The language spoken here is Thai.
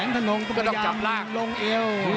พยายามลงเอว